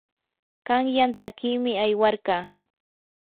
qanyan takiymi aywarqaa.